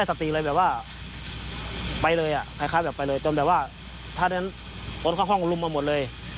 แต่ว่าท่านั้นคนข้างลุ่มมาหมดเลย